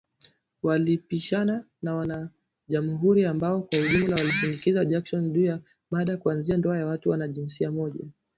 Walipishana na wana jamuhuri ambao kwa ujumla walimshinikiza Jackson, juu ya mada kuanzia ndoa za watu wa jinsia moja